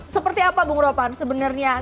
seperti apa bu ngropan sebenarnya